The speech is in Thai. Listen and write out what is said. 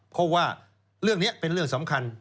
เพราะว่าเรื่องนี้เป็นเรื่องสำคัญ